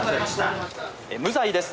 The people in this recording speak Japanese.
無罪です